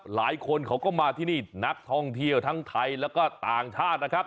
หลายคนเขาก็มาที่นี่นักท่องเที่ยวทั้งไทยแล้วก็ต่างชาตินะครับ